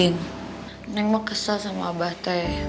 neng mah kesel sama abah teh